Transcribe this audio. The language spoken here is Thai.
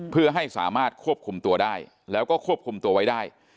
เพื่อให้สามารถควบคุมตัวได้แล้วก็ควบคุมตัวไว้ได้